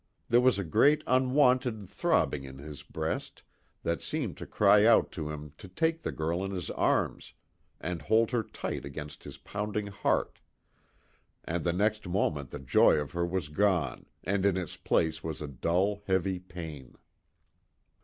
There was a great unwonted throbbing in his breast, that seemed to cry out to him to take the girl in his arms and hold her tight against his pounding heart, and the next moment the joy of her was gone, and in its place was a dull heavy pain.